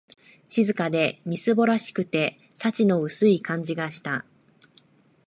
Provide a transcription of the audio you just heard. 静かで、みすぼらしくて、幸の薄い感じがした